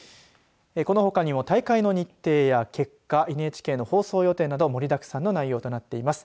このほかにも大会の日程や結果ＮＨＫの放送予定など盛りだくさんの内容となっています。